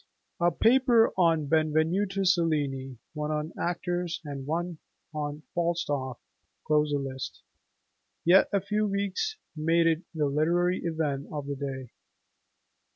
A paper on Benvenuto Cellini, one on Actors, and one on Falstaff (by another hand) closed the list. Yet a few weeks made it the literary event of the day.